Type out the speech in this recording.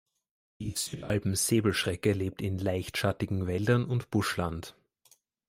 Die Südalpen-Säbelschrecke lebt in leicht schattigen Wäldern und Buschland.